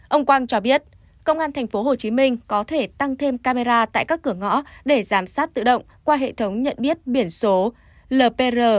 ông quang cho biết công an tp hcm có thể tăng thêm camera tại các cửa ngõ để giám sát tự động qua hệ thống nhận biết biển số lpr